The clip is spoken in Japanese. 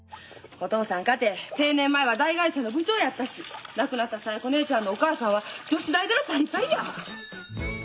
お父さんかて定年前は大会社の部長やったし亡くなったさえこ姉ちゃんのお母さんは女子大出のパリパリや！